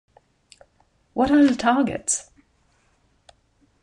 What are the targets?